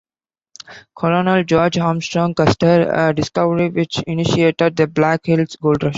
Colonel George Armstrong Custer, a discovery which initiated the Black Hills Gold Rush.